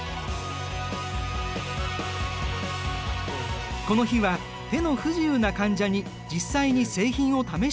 この日は手の不自由な患者に実際に製品を試してもらった。